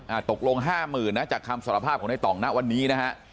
อ่าตกลง๕๐๐๐๐นะจากคำสารภาพของนายต๋องนะวันนี้นะฮะ